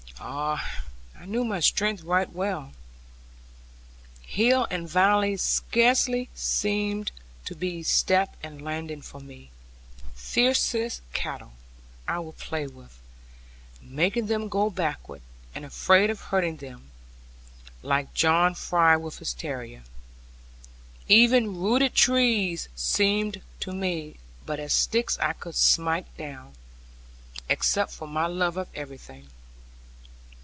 Ah, I knew my strength right well. Hill and valley scarcely seemed to be step and landing for me; fiercest cattle I would play with, making them go backward, and afraid of hurting them, like John Fry with his terrier; even rooted trees seemed to me but as sticks I could smite down, except for my love of everything.